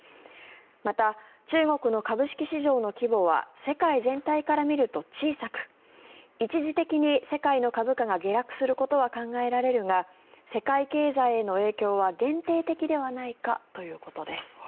また、中国の株式市場の規模は世界全体から見ると小さく一時的に世界の株価が下落することは考えられるが世界経済への影響は限定的ではないかということです。